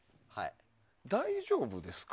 大丈夫ですか？